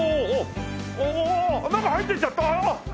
中入っていっちゃった。